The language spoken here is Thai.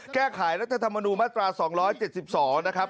แก้ไขรัฐธรรมนูญมาตรา๒๗๒นะครับ